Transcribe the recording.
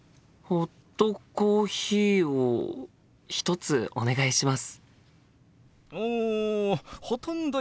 ホットコーヒーを１つお願いします。